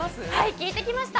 聞いてきました。